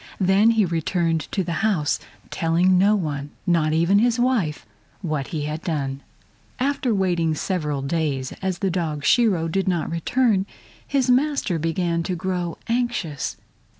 Then he returned to the house, telling no one, not even his wife, what he had done. After waiting several days, as the dog Shiro did not return, his master began to grow anxious.